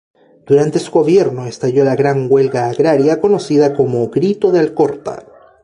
Durante su gobierno estalló la gran huelga agraria conocida como Grito de Alcorta.